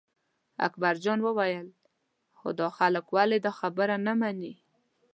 اکبرجان وویل خو دا خلک ولې دا خبره نه مني.